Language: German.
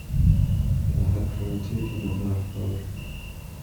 Da hat garantiert jemand nachgeholfen.